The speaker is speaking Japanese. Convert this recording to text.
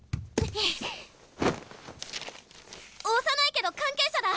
幼いけど関係者だ。